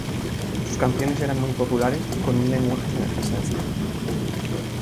Sus canciones eran muy populares y con un lenguaje sencillo.